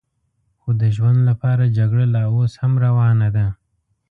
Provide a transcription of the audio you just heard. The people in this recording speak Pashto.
خو د ژوند لپاره جګړه لا اوس هم روانه ده.